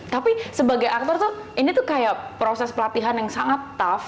tapi sebagai aktor tuh ini tuh kayak proses pelatihan yang sangat tough